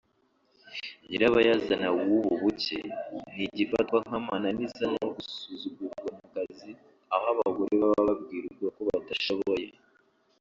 nyirabayazana w’ubu buke ni igifatwa nk’amananiza no gusuzugurwa mu kazi aho abagore baba babwirwa ko badashoboye